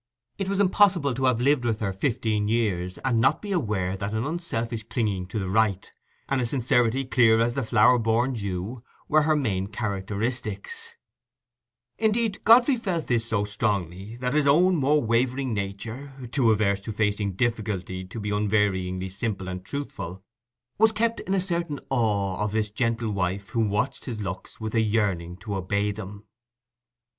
It was impossible to have lived with her fifteen years and not be aware that an unselfish clinging to the right, and a sincerity clear as the flower born dew, were her main characteristics; indeed, Godfrey felt this so strongly, that his own more wavering nature, too averse to facing difficulty to be unvaryingly simple and truthful, was kept in a certain awe of this gentle wife who watched his looks with a yearning to obey them.